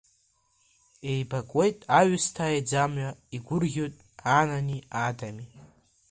Еибакуеит аҩысҭаа иӡамҩа, игәырӷьоит Анани Адами…